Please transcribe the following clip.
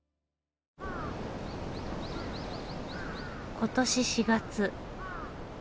今年４月。